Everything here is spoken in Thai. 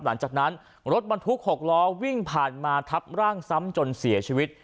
หลังจากนั้นรถบรรทุก๖ล้อวิ่งผ่านมาทับร่างซ้ำจนเสียชีวิต